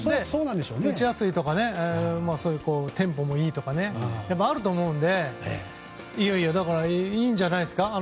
打ちやすいとかテンポもいいとかあると思うんでいいんじゃないですか